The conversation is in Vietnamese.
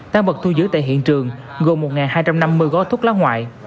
tăng vật thu giữ tại hiện trường gồm một hai trăm năm mươi gói thuốc lá ngoại